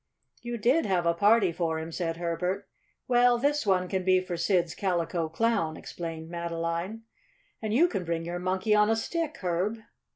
"You did have a party for him," said Herbert. "Well, this one can be for Sid's Calico Clown," explained Madeline. "And you can bring your Monkey on a Stick, Herb."